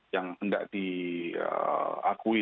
yang tidak diakui